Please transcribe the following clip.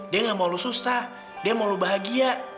dia gak mau lu susah dia mau lu bahagia